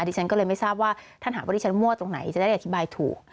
ฉันก็เลยไม่ทราบว่าท่านหากว่าดิฉันมั่วตรงไหนจะได้อธิบายถูก